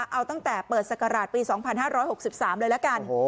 เอาตั้งแต่เปิดศักราชปี๒๕๖๓เลยละกัน